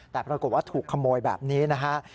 แต่ปรากฏว่าถูกขโมยแบบนี้นะฮะ